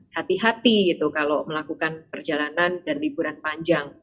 hati hati gitu kalau melakukan perjalanan dan liburan panjang